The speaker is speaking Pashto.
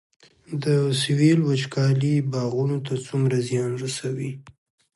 د سویل وچکالي باغونو ته څومره زیان رسوي؟